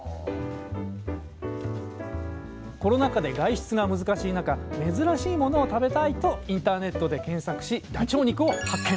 コロナ禍で外出が難しい中珍しいものを食べたいとインターネットで検索しダチョウ肉を発見。